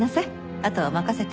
あとは任せて。